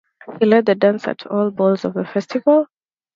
He led the dance at all the balls of the festival.